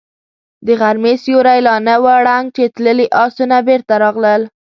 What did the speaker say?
د غرمې سيوری لا نه و ړنګ چې تللي آسونه بېرته راغلل.